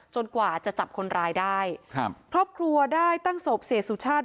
กว่าจะจับคนร้ายได้ครับครอบครัวได้ตั้งศพเสียสุชาติ